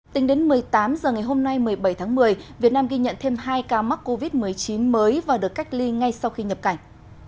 tính đến một mươi tám h ngày hôm nay một mươi bảy tháng một mươi việt nam ghi nhận thêm hai ca mắc covid một mươi chín mới và được cách ly ngay sau khi nhập cảnh